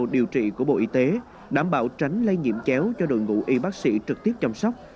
điều trị của bộ y tế đảm bảo tránh lây nhiễm chéo cho đội ngũ y bác sĩ trực tiếp chăm sóc